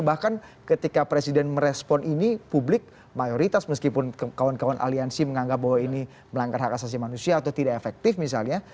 bahkan ketika presiden merespon ini publik mayoritas meskipun kawan kawan aliansi menganggap bahwa ini melanggar hak asasi manusia atau tidak efektif misalnya